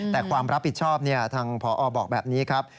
แต่ความรับผิดชอบทางพอบอกแบบนี้ครับ